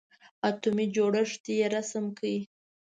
اتومي جوړښت یې رسم کړئ.